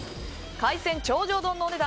海鮮頂上丼のお値段